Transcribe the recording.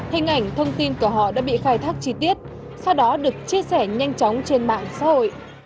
hình ảnh thông tin của họ đã bị khai thác chi tiết sau đó được chia sẻ nhanh chóng trên mạng xã hội